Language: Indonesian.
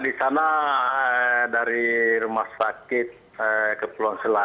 di sana dari rumah sakit ke pulau selaya